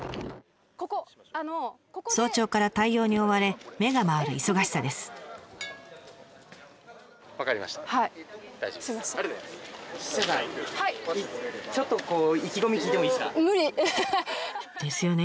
早朝から対応に追われ目が回る忙しさです。ですよね。